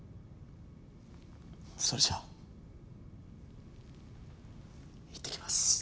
それじゃいってきます。